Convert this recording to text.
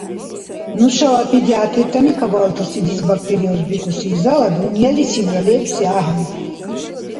Нушала педиатртани кабалтуси дисбактериоз бикӀуси изала дунъяличибра лебси ахӀен.